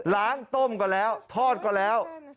งต้มก็แล้วทอดก็แล้ว